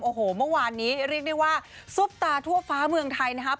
โอ้โหเมื่อวานนี้เรียกได้ว่าซุปตาทั่วฟ้าเมืองไทยนะครับ